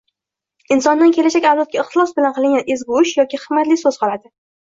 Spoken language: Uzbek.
Insondan kelajak avlodga ixlos bilan qilingan ezgu ish yoki hikmatli so‘z qoladi.